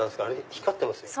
光ってますよね。